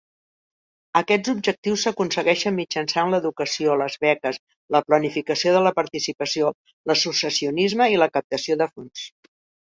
Aquests objectius s'aconsegueixen mitjançant l'educació, les beques, la planificació de la participació, l'associacionisme i la captació de fons.